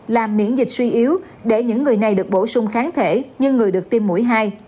làm miễn dịch suy yếu để những người này được bổ sung kháng thể như người được tiêm mũi hai